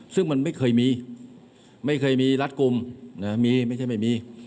ซึ่งมันไม่เคยมีไม่เคยมีรัดกลุ่มนะมีไม่ใช่ไม่มี